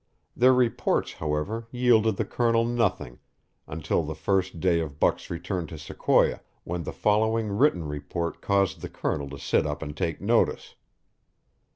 Their reports, however, yielded the Colonel nothing until the first day of Buck's return to Sequoia, when the following written report caused the Colonel to sit up and take notice.